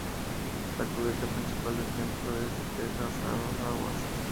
La cubierta principal del templo es de tejas a dos aguas.